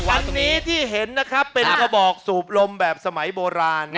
วันนี้ที่เห็นนะครับเป็นกระบอกสูบลมแบบสมัยโบราณ